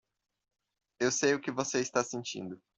Eu sei o que você está sentindo.